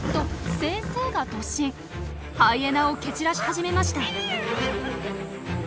ハイエナを蹴散らし始めました。